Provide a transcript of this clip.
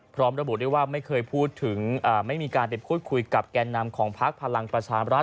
พร้อมระบุด้วยว่าไม่เคยพูดถึงไม่มีการไปพูดคุยกับแก่นำของพักพลังประชามรัฐ